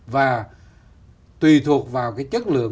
và tùy thuộc vào cái chất lượng